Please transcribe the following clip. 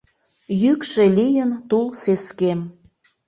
Йӱкшӧ лийын — тул сескем.